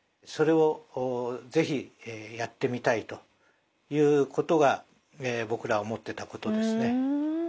それを是非やってみたいということが僕ら思ってたことですね。